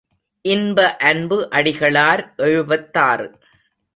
இன்ப அன்பு அடிகளார் எழுபத்தாறு.